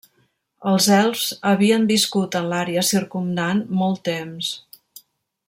Els elfs havien viscut en l'àrea circumdant molt temps.